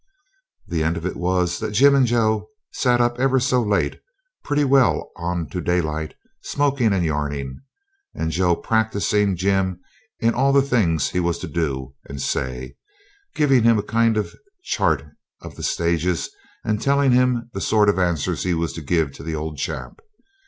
The end of it was that Jim and Joe sat up ever so late, pretty well on to daylight, smoking and yarning, and Joe practising Jim in all the things he was to do and say, giving him a kind of chart of the stages, and telling him the sort of answers he was to give to the old chap.